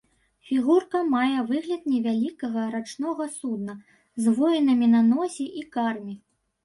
Фігурка мае выгляд невялікага рачнога судна з воінамі на носе і карме.